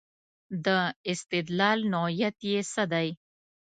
د استدلال نوعیت یې څه دی.